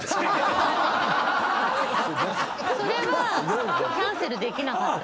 それはキャンセルできなかった。